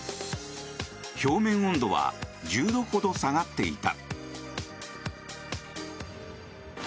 表面温度は１０度ほど下がっていた。